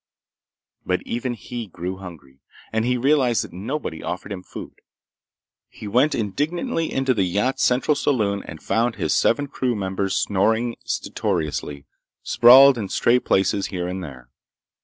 But even he grew hungry, and he realized that nobody offered him food. He went indignantly into the yacht's central saloon and found his seven crew members snoring stertorously, sprawled in stray places here and there.